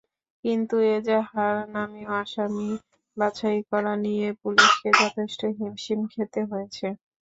কিন্তু এজাহারনামীয় আসামি বাছাই করা নিয়ে পুলিশকে যথেষ্ট হিমশিম খেতে হয়েছে।